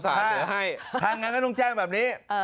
ถ้างั้นก็ต้องแจ้งแบบนี้